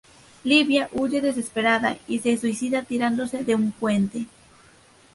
Libia huye desesperada y se suicida tirándose de un puente.